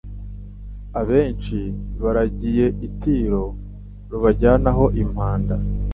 Abenshi baragiye Itiro Rubajyanaho impamba